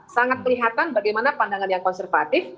sangat kelihatan bagaimana pandangan yang konservatif